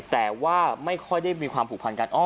แต่ว่าไม่ค่อยได้มีความผูกพันกัน